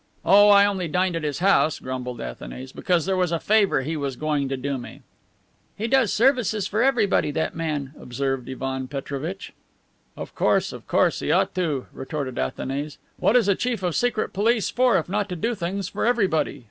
'" "Oh, I only dined at his house," grumbled Athanase, "because there was a favor he was going to do me." "He does services for everybody, that man," observed Ivan Petrovitch. "Of course, of course; he ought to," retorted Athanase. "What is a chief of Secret Service for if not to do things for everybody?